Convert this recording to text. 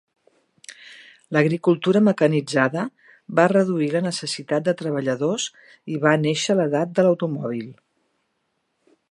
L'agricultura mecanitzada va reduir la necessitat de treballadors i va néixer l'edat de l'automòbil.